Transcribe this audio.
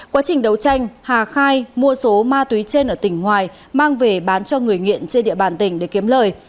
quá trình đấu tranh hà khai mua số ma túy trên ở tỉnh hoài mang về bán cho người nghiện trên địa bàn tỉnh để kiếm lời